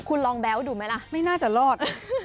คุณลองแบ๊วดูไหมล่ะไม่น่าจะรอด